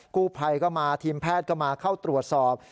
กู้ภัยก็มาทีมแพทย์ก็มาเข้าตรวจสอบ